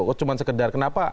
oh cuma sekedar kenapa